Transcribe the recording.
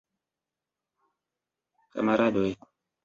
Kamaradoj!